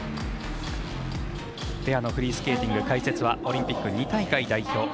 ペアのフリースケーティング解説はオリンピック、２大会代表